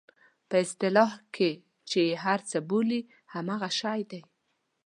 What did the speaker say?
په اصطلاح کې چې یې هر څه بولئ همغه شی دی.